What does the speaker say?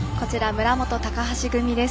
村元、高橋組です。